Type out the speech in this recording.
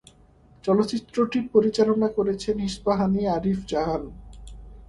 চলচ্চিত্রটি পরিচালনা করেছেন ইস্পাহানী আরিফ জাহান।